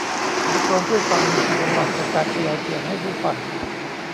อุปกรณ์ช่วยฟังมีคุณสมบัติในการขยายเสียงให้ผู้ฟัง